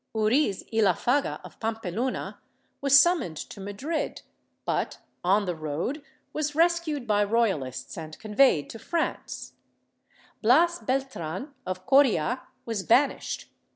Uriz y Lafaga of Pampeluna was summoned to Madrid but, on the road, was rescued by royalists and conveyed to France, Bias Beltran of Coria was banished.